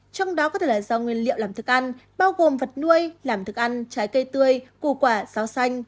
trong đó có thể là do nguyên liệu làm thức ăn bao gồm vật nuôi làm thức ăn trái cây tươi củ quả sáo xanh